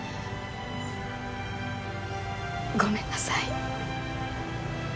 ごめんなさい。